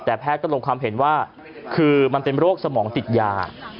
แต่แพทย์ก็ลงความเห็นว่าคือมันเป็นโรคสมองติดยา